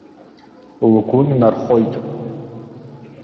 Лгәы ннархоит.